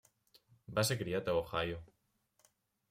Va ser criat a Ohio.